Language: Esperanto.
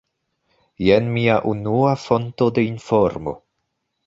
Jen mia unua fonto de informo.